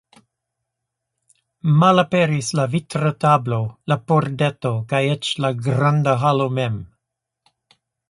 Malaperis la vitra tablo, la pordeto, kaj eĉ la granda halo mem.